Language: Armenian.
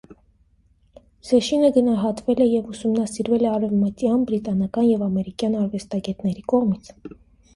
Զեշինը գնահատվել և ուսումնասիրվել է արևմտյան, բրիտանական և ամերիկյան արվեստագետների կողմից։